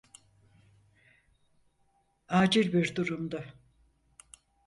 Acil bir durumdu.